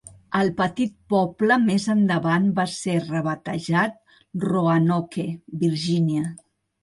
El petit poble més endavant va ser rebatejat Roanoke, Virgínia.